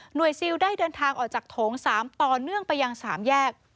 ซิลได้เดินทางออกจากโถง๓ต่อเนื่องไปยัง๓แยก